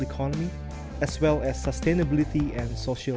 serta kesehatan dan perhubungan sosial